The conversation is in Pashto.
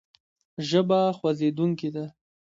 ژبه خوځېدونکې ده.